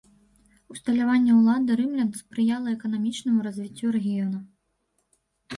Усталяванне ўлады рымлян спрыяла эканамічнаму развіццю рэгіёна.